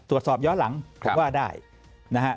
ตรวจสอบย้อนหลังผมว่าได้นะฮะ